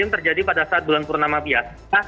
terjadi pada saat bulan purnama biasa